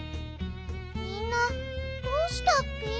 みんなどうしたッピ？